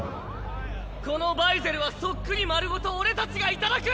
このバイゼルはそっくり丸ごと俺たちが頂く！